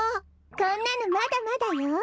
こんなのまだまだよ。